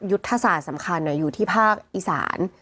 อุดทศรัฐสำคัญอยู่ที่ภาคอิสาน